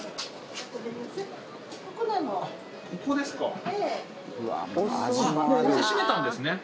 ここですか。